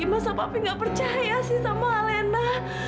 masa papi gak percaya sih sama alena